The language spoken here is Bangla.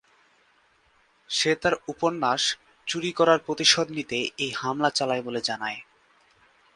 সে তার উপন্যাস "চুরি করার প্রতিশোধ" নিতে এই হামলা চালায় বলে জানায়।